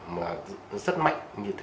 mà rất mạnh